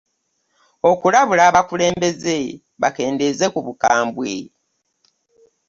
Okulabula abakulembeze bakendeeze ku bukambwe.